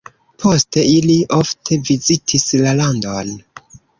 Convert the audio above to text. Poste ili ofte vizitis la landon.